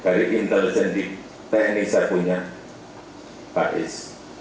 dari intelijen di tni saya punya taiz